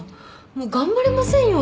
もう頑張れませんよ